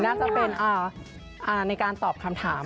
น่าจะเป็นในการตอบคำถาม